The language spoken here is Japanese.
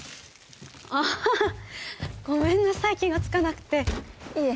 ああごめんなさい気がつかなくていえ